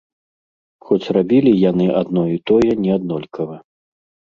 Хоць рабілі яны адно і тое неаднолькава.